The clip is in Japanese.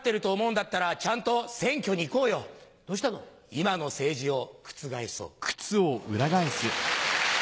今の政治をクツ返そう。